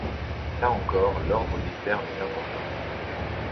Là encore l'ordre des termes est important.